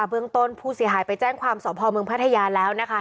เรื่องต้นผู้เสียหายไปแจ้งความสอบภอมเมืองพัทยาแล้วนะคะ